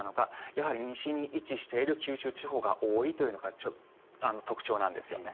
やはり西に位置している九州地方が多いというのが特徴なんですよね。